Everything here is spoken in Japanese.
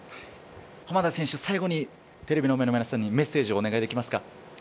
浜田選手、最後にテレビの前の皆さんにメッセージをお願いできますか？